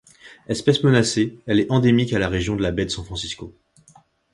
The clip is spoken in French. Espèce menacée, elle est endémique à la région de la baie de San Francisco.